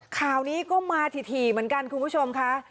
ข่าวนี้ก็มาถี่เหมือนกันคุณผู้ชมค่ะ